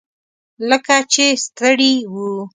لکه چې ستړي وو.